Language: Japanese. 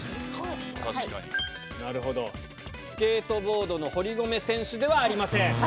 スケートボードの堀米選手ではありません。